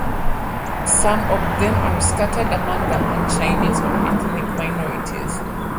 Some of them are scattered among the Han Chinese or other ethnic minorities.